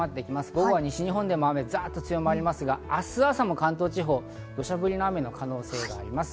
午後は西日本でもザっと雨が強まりますが、明日朝も関東地方はどしゃぶりの雨の可能性があります。